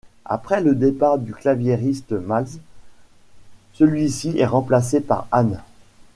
Après le départ du claviériste Matze, celui-ci est remplacé par Anne.